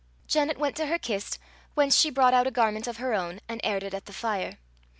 Janet went to her kist, whence she brought out a garment of her own, and aired it at the fire.